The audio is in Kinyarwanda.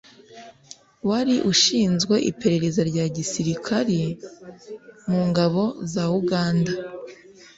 wari ushinzwe iperereza rya gisirikari mu ngabo za uganda,